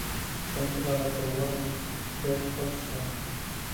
Fue enterrada en Warden, Bedfordshire.